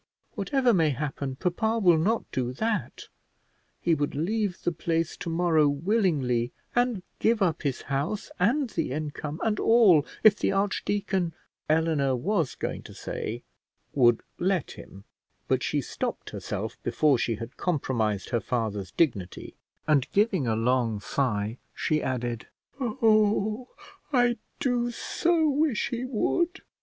Whatever may happen, papa will not do that: he would leave the place to morrow willingly, and give up his house, and the income and all, if the archdeacon " Eleanor was going to say "would let him," but she stopped herself before she had compromised her father's dignity; and giving a long sigh, she added "Oh, I do so wish he would."